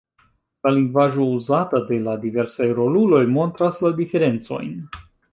La lingvaĵo uzata de la diversaj roluloj montras la diferencojn.